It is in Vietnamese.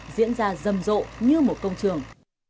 diễn ra rầm rộ như một công trường